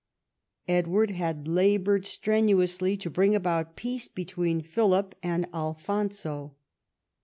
Edward had laboured strenuously to bring about peace between Philip and Alfonso.